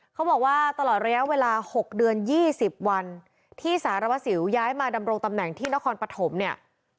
เขาบอกว่าตลอดระยะเวลา๖เดือน๒๐วันที่สารวัสสิวย้ายมาดำรงตำแหน่งที่นครปฐมเนี่ย